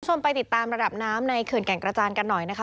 ไปติดตามระดับน้ำในเขื่อนแก่งกระจานกันหน่อยนะคะ